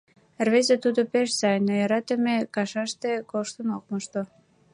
Рвезе тудо пеш сай, но йӧратыме кышаште коштын ок мошто.